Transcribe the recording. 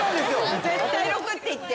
絶対６って言って。